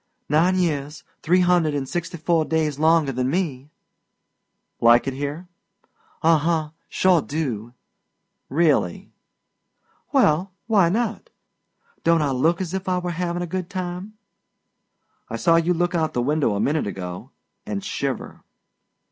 "Nine years, three hundred an' sixty four days longer than me." "Like it here?" "Uh huh. Sure do!" "Really?" "Well, why not? Don't I look as if I were havin' a good time?" "I saw you look out the window a minute ago and shiver."